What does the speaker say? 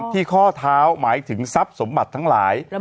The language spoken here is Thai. ข้อเท้าหมายถึงทรัพย์สมบัติทั้งหลาย